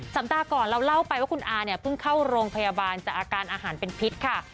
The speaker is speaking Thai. สัปดาห์ก่อนเราเล่าไปว่าคุณอาเนี่ยเพิ่งเข้าโรงพยาบาลจากอาการอาหารเป็นพิษค่ะ